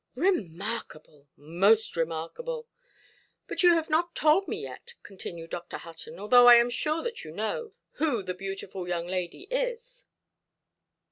"Remarkable! Most remarkable"! "But you have not told me yet", continued Dr. Hutton, "although I am sure that you know, who the beautiful young lady is".